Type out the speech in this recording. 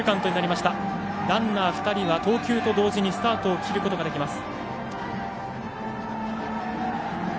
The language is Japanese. ランナー、２人は投球と同時にスタートを切ることができます。